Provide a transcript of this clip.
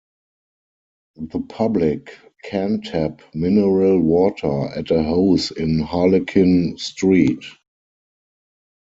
The public can tap mineral water at a hose in Harlequin Street.